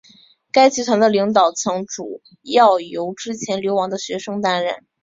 该集团的领导层主要由之前流亡的学生担任。